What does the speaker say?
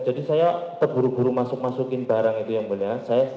jadi saya terburu buru masuk masukin barang itu yang mulia